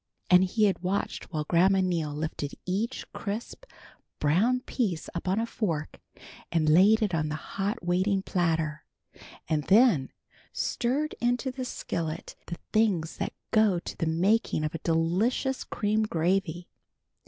And he had watched while Grandma Neal lifted each crisp, brown piece up on a fork, and laid it on the hot waiting platter, and then stirred into the skillet the things that go to the making of a delicious cream gravy.